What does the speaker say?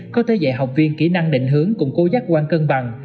có thể dạy học viên kỹ năng định hướng củng cố giác quan cân bằng